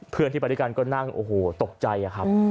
เพื่อนที่ไปด้วยกันก็นั่งโอ้โหตกใจอะครับ